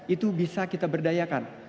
itu bisa kita berdayakan